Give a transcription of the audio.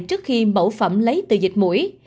trước khi mẫu phẩm lấy từ dịch mũi